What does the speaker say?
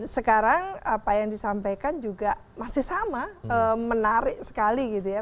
sekarang apa yang disampaikan juga masih sama menarik sekali gitu ya